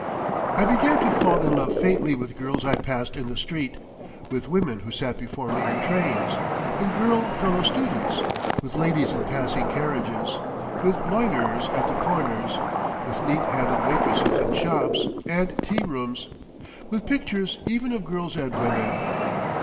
I began to fall in love faintly with girls I passed in the street, with women who sat before me in trains, with girl fellow students, with ladies in passing carriages, with loiterers at the corners, with neat handed waitresses in shops and tea rooms, with pictures even of girls and women.